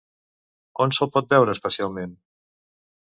On se'l pot veure especialment?